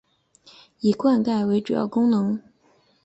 以灌溉为主要功能。